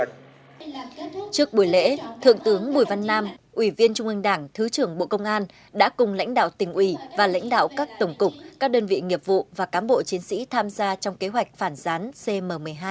trước buổi lễ thượng tướng bùi văn nam ủy viên trung ương đảng thứ trưởng bộ công an đã cùng lãnh đạo tỉnh ủy và lãnh đạo các tổng cục các đơn vị nghiệp vụ và cám bộ chiến sĩ tham gia trong kế hoạch phản gián cm một mươi hai